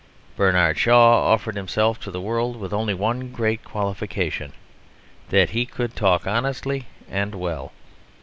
Bernard Shaw offered himself to the world with only one great qualification, that he could talk honestly and well.